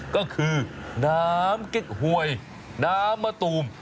ก็คือน้ำกิ๊กหวยน้ำมะตูม